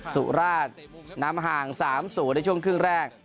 สุราชนำห่าง๓๐ในช่วงครึ่งแรก